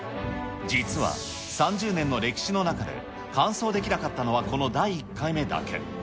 実は、３０年の歴史の中で、完走できなかったのはこの第１回目だけ。